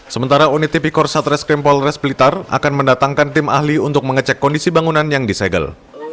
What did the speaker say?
sementara unit tipikor satreskrim polres blitar akan mendatangkan tim ahli untuk mengecek kondisi bangunan yang disegel